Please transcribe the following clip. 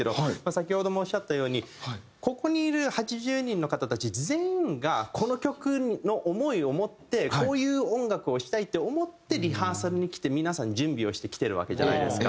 先ほどもおっしゃったようにここにいる８０人の方たち全員がこの曲の思いを持ってこういう音楽をしたいって思ってリハーサルに来て皆さん準備をしてきてるわけじゃないですか。